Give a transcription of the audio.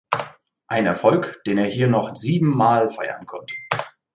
Ein Erfolg den er hier noch sieben Mal feiern konnte.